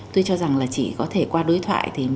tôi cho rằng là chỉ có thể qua đối thoại